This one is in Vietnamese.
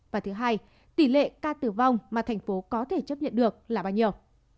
và thứ hai tỷ lệ ca tử vong mà tp hcm có thể chấp nhận được là bao nhiêu